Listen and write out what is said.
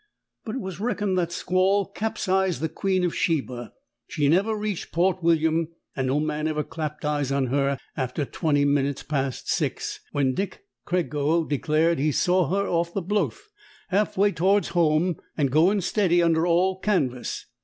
But it was reckoned that squall capsized the Queen of Sheba. She never reached Port William, and no man ever clapped eyes on her after twenty minutes past six, when Dick Crego declares he saw her off the Blowth, half way towards home, and going steady under all canvas.